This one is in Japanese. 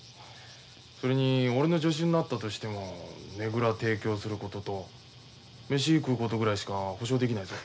それに俺の助手になったとしてもねぐら提供することと飯食うことぐらいしか保証できないぞ。